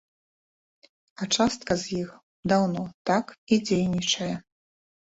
А частка з іх даўно так і дзейнічае.